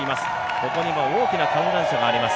ここには大きな観覧車があります